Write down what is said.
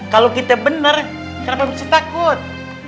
kalau kita benar kenapa bisa takut